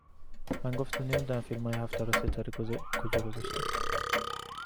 من گفتم نمی دونم فیلمای هفته رو ستاره کجا گذاشته